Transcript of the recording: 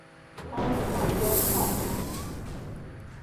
愛才若渴